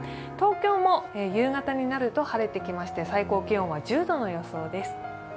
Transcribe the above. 東京も夕方になると晴れてきまして最高気温は１０度の予想です。